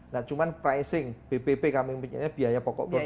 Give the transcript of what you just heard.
nah cuma pricing bpp kami mempunyai biaya pokok produksi